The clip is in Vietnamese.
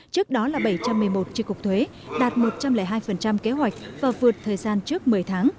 trước đó là bảy trăm một mươi một tri cục thuế đạt một trăm linh hai kế hoạch và vượt thời gian trước một mươi tháng